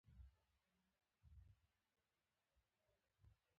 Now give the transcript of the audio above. کوربه د مېلمه ستړیا کموي.